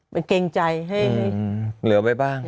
มันเกรงใจให้เหลือไปบ้าง